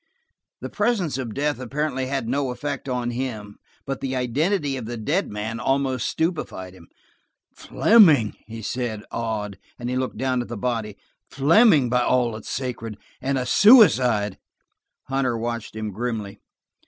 The presence of death apparently had no effect on him, but the identity of the dead man almost stupefied him. "Fleming!" he said, awed, as he looked down at the body. "Fleming, by all that's sacred! And a suicide!" Hunter watched him grimly.